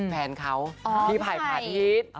แฟนเขาพี่ไผ่พาทิศ